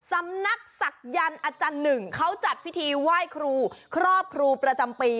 สำนักศักยันต์อาจารย์หนึ่งเขาจัดพิธีไหว้ครูครอบครูประจำปี